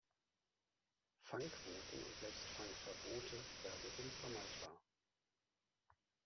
Fangquoten und selbst Fangverbote werden unvermeidbar.